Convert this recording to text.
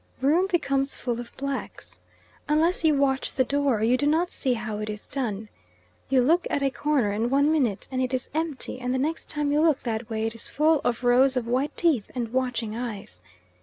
Room becomes full of blacks. Unless you watch the door, you do not see how it is done. You look at a corner one minute and it is empty, and the next time you look that way it is full of rows of white teeth and watching eyes.